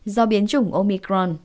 do biến chủng omicron